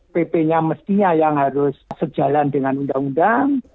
pp nya mestinya yang harus sejalan dengan undang undang